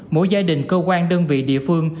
mỗi gia đình cơ quan đơn vị địa phương